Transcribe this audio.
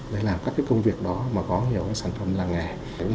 để làm các công việc đó mà có hiểu sản phẩm làng nghề